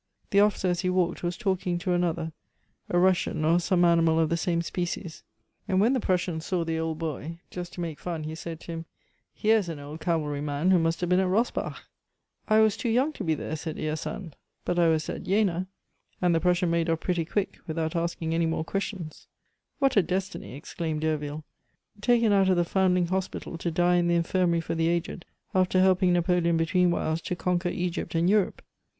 The officer, as he walked, was talking to another, a Russian, or some animal of the same species, and when the Prussian saw the old boy, just to make fun, he said to him, 'Here is an old cavalry man who must have been at Rossbach.' 'I was too young to be there,' said Hyacinthe. 'But I was at Jena.' And the Prussian made off pretty quick, without asking any more questions." "What a destiny!" exclaimed Derville. "Taken out of the Foundling Hospital to die in the Infirmary for the Aged, after helping Napoleon between whiles to conquer Egypt and Europe.